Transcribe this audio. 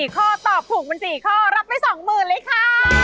ข้อตอบถูกเป็น๔ข้อรับไป๒๐๐๐เลยค่ะ